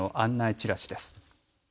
チラシです。